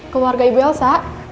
keluarga ibu elsa